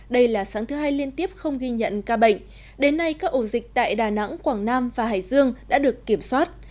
đây là sáng thứ hai liên tiếp không ghi nhận ca bệnh đến nay các ổ dịch tại đà nẵng quảng nam và hải dương đã được kiểm soát